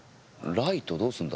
ライトどうすんだ？